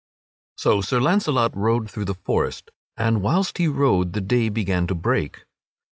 So Sir Launcelot rode through the forest, and whilst he rode the day began to break.